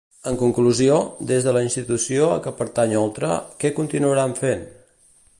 En conclusió, des de la institució a què pertany Oltra, què continuaran fent?